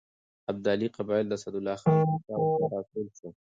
ابدالي قبایل د اسدالله خان پر شاوخوا راټول شول.